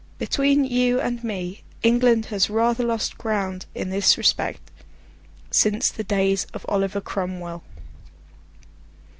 Between you and me, England has rather lost ground in this respect since the days of Oliver Cromwell.